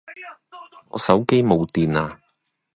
我手機冇電呀